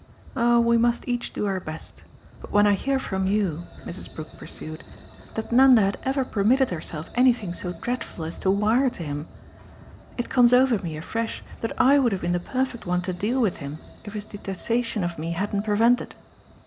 Oh we must each do our best. But when I hear from you," Mrs. Brook pursued, "that Nanda had ever permitted herself anything so dreadful as to wire to him, it comes over me afresh that I would have been the perfect one to deal with him if his detestation of me hadn't prevented."